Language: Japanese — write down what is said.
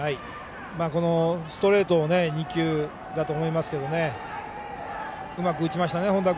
このストレートを２球だと思いますけどうまく打ちましたね、本田君。